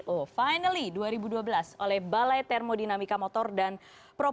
oh finally dua ribu dua belas oleh balai termodinamika motor dan propam